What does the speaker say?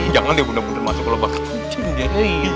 jangan dia mudah mudahan masuk ke lubang